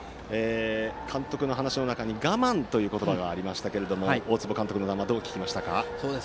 監督の話の中に我慢という言葉がありましたが大坪監督の談話はどう聞きましたか？